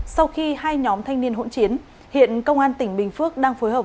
sau khi hai nhóm thanh niên hỗn chiến hiện công an tỉnh bình phước đang phối hợp